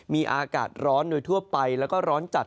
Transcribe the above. มีอากาศร้อนโดยทั่วไปแล้วก็ร้อนจัด